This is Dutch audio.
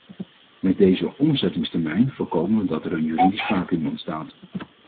Met deze omzettingstermijn voorkomen we dat er een juridisch vacuüm ontstaat.